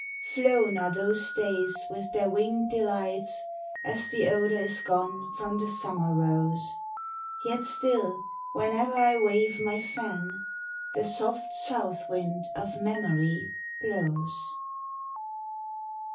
Flown are those days with their winged delights, As the odor is gone from the summer rose ; Yet still, whenever I wave my fan, The soft, south wind of memory blows.